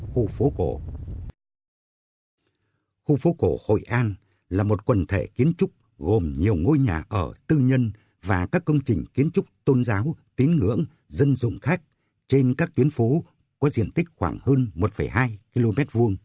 khu phố cổ hội an là một quần thể kiến trúc gồm nhiều ngôi nhà ở tư nhân và các công trình kiến trúc tôn giáo tín ngưỡng dân dụng khách trên các tuyến phố có diện tích khoảng hơn một hai km hai